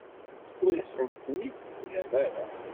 Ur asent-ten-id-temlam ara.